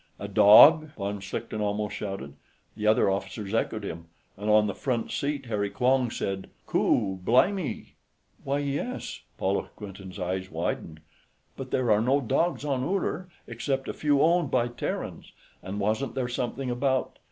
"A dog?" von Schlichten almost shouted. The other officers echoed him, and on the front seat, Harry Quong said, "Coo bli'me!" "Why, yes...." Paula Quinton's eyes widened. "But there are no dogs on Uller, except a few owned by Terrans. And wasn't there something about